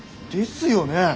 ですよね？